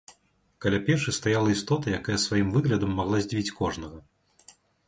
Каля печы стаяла істота, якая сваім выглядам магла здзівіць кожнага.